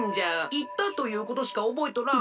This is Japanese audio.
いったということしかおぼえとらん。